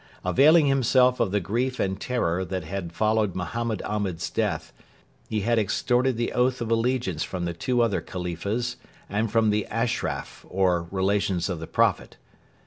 Availing himself of the grief and terror that had followed Mohammed Ahmed's death, he had extorted the oath of allegiance from the two other Khalifas and from the 'Ashraf' or relations of the Prophet.